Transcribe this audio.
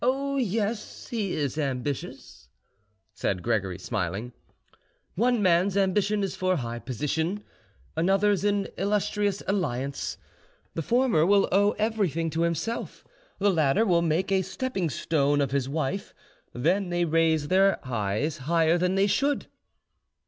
"Oh yes, he is ambitious," said Gregory, smiling. "One man's ambition is for high position, another's an illustrious alliance: the former will owe everything to himself, the latter will make a stepping stone of his wife, then they raise their eyes higher than they should."